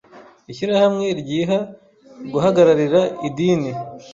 ishyirahamwe ryiha guhagararira idini